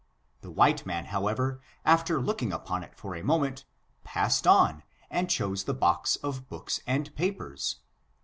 The white man, however, after looking upon It for a moment, passed on and chose the box of books and papers.